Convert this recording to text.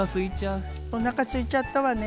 おなかすいちゃったわね。